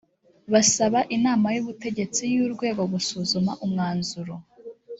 basaba inama y ubutegetsi y urwego gusuzuma umwanzuro